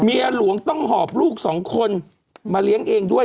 เมียหลวงต้องหอบลูกสองคนมาเลี้ยงเองด้วย